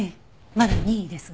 まだ任意ですが。